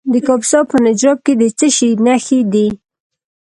د کاپیسا په نجراب کې د څه شي نښې دي؟